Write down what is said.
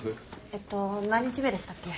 えっと何日目でしたっけ？